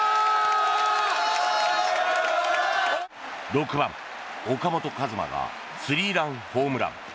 ６番、岡本和真がスリーランホームラン。